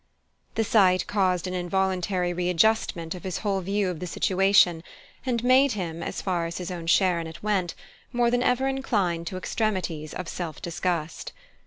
The sight caused an involuntary readjustment of his whole view of the situation, and made him, as far as his own share in it went, more than ever inclined to extremities of self disgust.